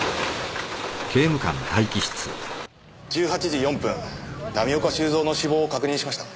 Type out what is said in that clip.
１８時４分浪岡収造の死亡を確認しました。